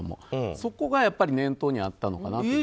そこが念頭にあったのかなと。